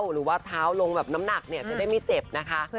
หรือว่าเท้าลงแบบน้ำหนักเนี่ยจะได้ไม่เจ็บนะคะ